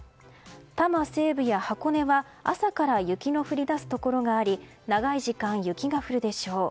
多摩西部や箱根は朝から雪の降り出すところがあり長い時間、雪が降るでしょう。